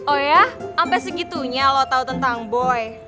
oh ya ampe segitunya lo tau tentang boy